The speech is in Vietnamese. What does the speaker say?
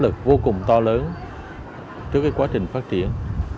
chịu một cái áp lực vô cùng to lớn trước cái quá trình phát triển